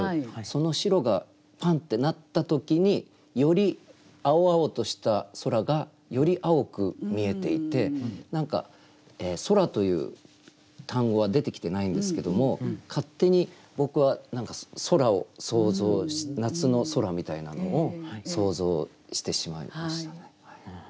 その白がパンッてなった時により青々とした空がより青く見えていて何か「空」という単語は出てきてないんですけども勝手に僕は空を想像夏の空みたいなのを想像してしまいましたね。